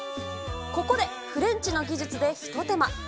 ここで、フレンチの技術で一手間。